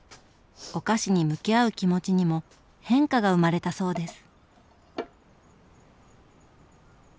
お菓子に向き合う気持ちにも変化が生まれたそうです。